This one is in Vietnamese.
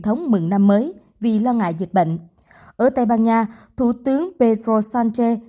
thống mượn năm mới vì lo ngại dịch bệnh ở tây ban nha thủ tướng pedro sánchez